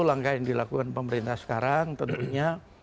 langkah yang dilakukan pemerintah sekarang tentunya